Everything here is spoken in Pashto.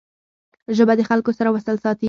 ژبه د خلګو سره وصل ساتي